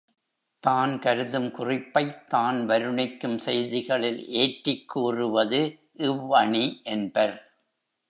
தான் கருதும் குறிப்பைத் தான் வருணிக்கும் செய்திகளில் ஏற்றிக் கூறுவது இவ் அணி என்பர்.